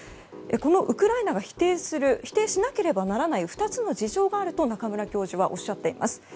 このウクライナが否定しなければならない２つの事情があると中村教授おっしゃっています。